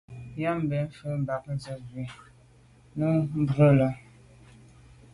Nyəèm bə́ â mvɔ̂k mbàp zə̄ bú nǔ fá mbrʉ́ lɑ́.